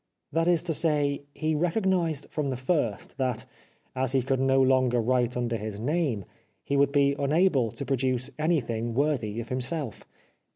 That is to say, he recognised from the first that, as he could no longer write under his name, he would be unable to produce anything worthy of him self.